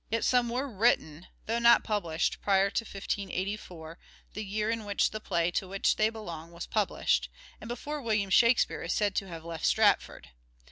Yet some were written, though not published, prior to 1584, the year in which the play to which they belong was published, and before William Shakspere is said to have left Stratford.